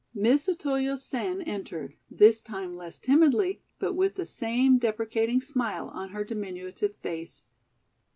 Miss Otoyo Sen entered, this time less timidly, but with the same deprecating smile on her diminutive face.